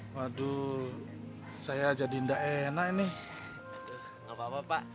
waduh saya jadi ndak enak nih